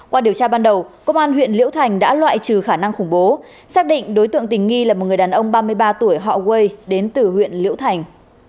qua điều tra ban đầu công an huyện liễu thành đã loại trừ khả năng khủng bố xác định đối tượng tình nghi là một người đàn ông ba mươi ba tuổi họ quay đến từ huyện liễu thành